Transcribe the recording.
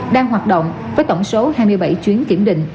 đang hoạt động với tổng số hai mươi bảy chuyến kiểm định